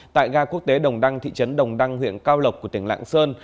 tại ga quốc tế đồng đăng thị trấn đồng đăng huyện cao lộc của tỉnh lạng sơn